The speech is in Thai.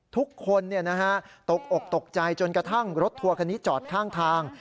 ทุกคนตกอกตกใจจนกระทั่งรถทัวร์คันนี้จอดข้างทาง